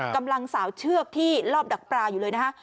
กำลังสาวเชือกที่รอบดักปลาอยู่เลยนะฮะ